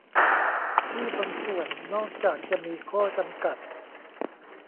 ที่บางส่วน นอกจากจะมีข้อจำกัด